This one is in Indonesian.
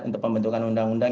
untuk pembentukan undang undang